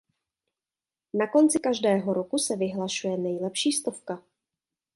Na konci každého roku se vyhlašuje nejlepší stovka.